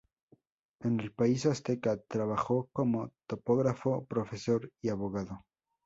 En el país azteca trabajó como topógrafo, profesor y abogado.